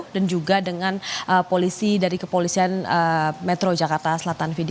dan juga dengan polisi dari kepolisian metro jakarta selatan fidi